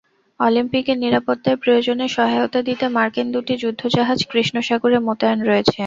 অলিম্পিকের নিরাপত্তায় প্রয়োজনে সহায়তা দিতে মার্কিন দুটি যুদ্ধজাহাজ কৃষ্ণ সাগরে মোতায়েন রয়েছে।